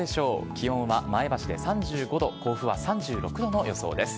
気温は前橋で３５度、甲府は３６度の予想です。